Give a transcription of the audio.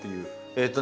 えっと何？